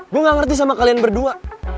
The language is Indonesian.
gue gak ngerti sama kalian berdua